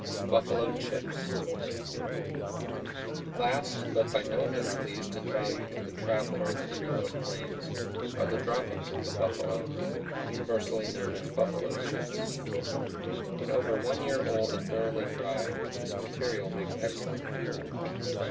Buffalo chips. Last, but by no means least in value to the traveler on the treeless plains, are the droppings of the buffalo, universally known as "buffalo chips." When over one year old and thoroughly dry, this material makes excellent fuel.